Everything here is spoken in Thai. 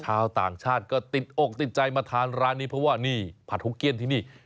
ชาวต่างชาติก็ติดอกติดใจมาทานร้านนี้เพราะว่านี่ผัดหุกเกี้ยนที่นี่